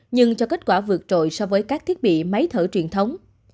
nhưng cho kết quả vượt trội so với các thiết bị máy thở truyền thống